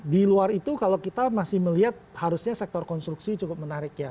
di luar itu kalau kita masih melihat harusnya sektor konstruksi cukup menarik ya